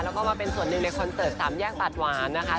แล้วก็มาเป็นส่วนหนึ่งในคอนเสิร์ตสามแยกปากหวานนะคะ